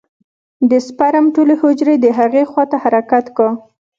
د سپرم ټولې حجرې د هغې خوا ته حرکت کا.